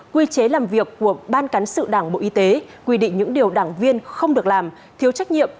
quy chế làm việc của ban cán sự đảng bộ y tế quy định những điều đảng viên không được làm thiếu trách nhiệm